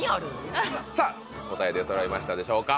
さぁ答え出そろいましたでしょうか？